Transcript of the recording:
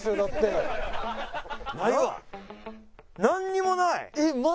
何にもない！